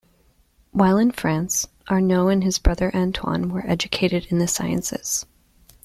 While in France, Arnaud and his brother, Antoine, were educated in the sciences.